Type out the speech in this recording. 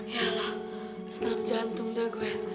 ya allah senap jantung dah gue